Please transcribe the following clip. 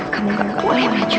kamu boleh maju